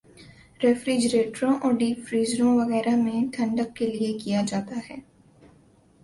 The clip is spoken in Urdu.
ریفریجریٹروں اور ڈیپ فریزروں وغیرہ میں ٹھنڈک کیلئے کیا جاتا تھا